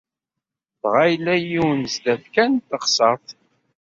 Dɣa yella yiwen sdat kan teɣsert.